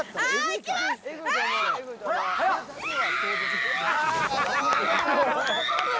行きます！